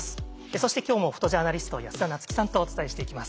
そして今日もフォトジャーナリスト安田菜津紀さんとお伝えしていきます。